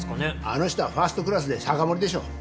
あの人はファーストクラスで酒盛りでしょう。